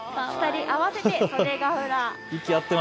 ２人合わせてソデガウラ。